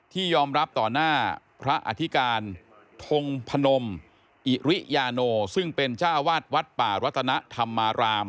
ที่ยอมรับต่อหน้าพระอธิการทงพนมอิริยาโนซึ่งเป็นเจ้าวาดวัดป่ารัตนธรรมาราม